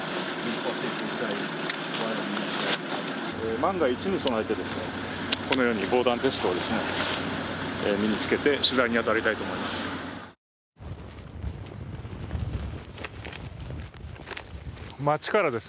万が一に備えて、このように防弾ベストを身につけて取材に当たりたいと思います。